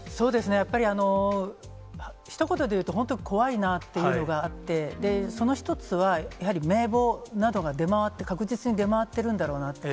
やっぱりひと言で言うと、本当怖いなっていうのがあって、その１つは、やはり名簿などが出回って、確実に出回っているんだろうなと。